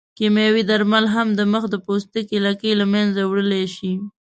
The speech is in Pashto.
کیمیاوي درمل هم د مخ د پوستکي لکې له منځه وړلی شي.